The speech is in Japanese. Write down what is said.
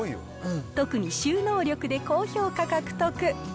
特に収納力で高評価獲得。